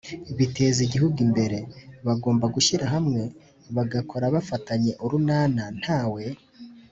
bateza igihugu imbere, bagomba gushyira hamwe bagakora bafatanye urunana ntawe